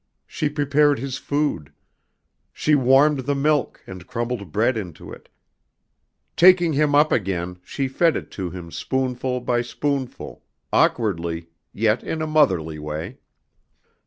She prepared his food. She warmed the milk and crumbled bread into it. Taking him up again, she fed it to him spoonful by spoonful, awkwardly, yet in a motherly way.